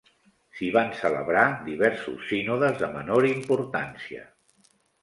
S'hi van celebrar diversos sínodes de menor importància.